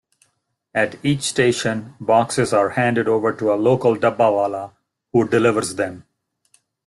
At each station, boxes are handed over to a local dabbawala, who delivers them.